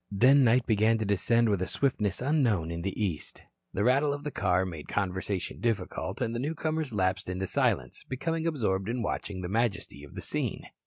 Then night began to descend with a swiftness unknown in the East. The rattle of the car made conversation difficult and the newcomers lapsed into silence, becoming absorbed in watching the majesty of the scene.